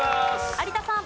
有田さん。